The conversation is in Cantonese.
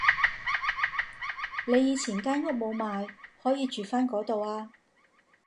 你以前間屋冇賣可以住返嗰度啊